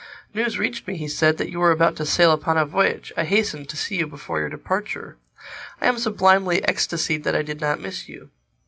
"News reached me," he said, "that you were about to sail upon a voyage. I hastened to see you before your departure. I am sublimely ecstasied that I did not miss you."